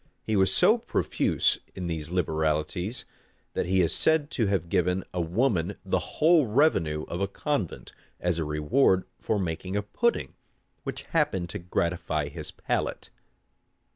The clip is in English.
He was so profuse in these liberalities, that he is said to have given a woman the whole revenue of a convent, as a reward for making a pudding which happened to gratify his palate.